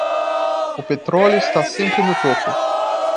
O petróleo está sempre no topo.